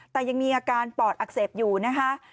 แต่ยังมีอาการปอดอักเสบอยู่นะคะ